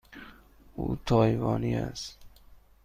او تایوانی است.